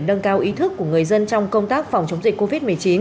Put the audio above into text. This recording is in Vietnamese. nâng cao ý thức của người dân trong công tác phòng chống dịch covid một mươi chín